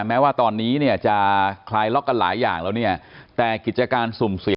แม้ว่าตอนนี้เนี่ยจะคลายล็อกกันหลายอย่างแล้วเนี่ยแต่กิจการสุ่มเสีย